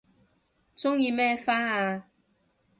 鍾意咩花啊